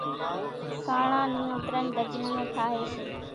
سانڻان نيون ترڃ ڍڳليون ٺاۿي سي،